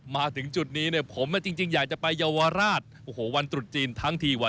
มาถึงจุดนี้แน่ผมจริงอยากจะไปยาวาลาสท์วันตรุษจีนทั้งทีวะ